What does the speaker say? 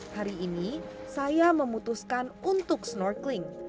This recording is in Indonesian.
hari ini saya memutuskan untuk snorkeling